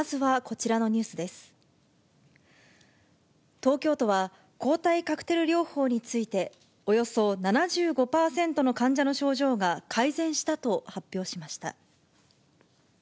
東京都は、抗体カクテル療法について、およそ７５％の患者の症状が改善したと発表しました。